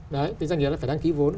đấy cái doanh nghiệp nó phải đăng ký vốn